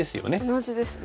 同じですね。